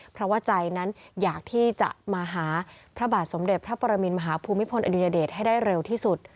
เพราะว่าใจนั้นอยากที่จะมาหาพระบาทสมเด็จพระปรมินมหาภูมิพลอดุญเดชให้ได้เร็วที่สุด